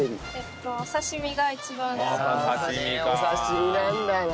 お刺身なんだな。